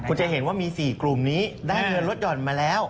คุณจะเห็นว่ามี๔กลุ่มนี้ได้เงินลดหย่อนมาแล้ว